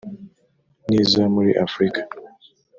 nizo muri Afurika